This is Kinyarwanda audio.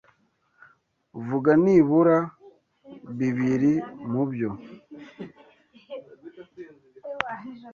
Vuga nibura bibiri mu byo